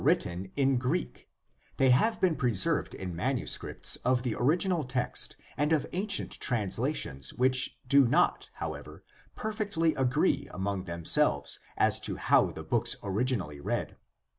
1 68 GUIDE TO STUDY OF CHRISTIAN RELIGION in Greek; they have been preserved in manuscripts of the original text and of ancient translations which do not, however, perfectly agree among themselves as to how the books origi nally read.